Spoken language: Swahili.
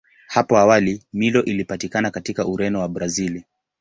Hapo awali Milo ilipatikana katika Ureno na Brazili.